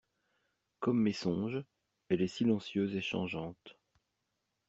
Comme mes songes, elle est silencieuse et changeante.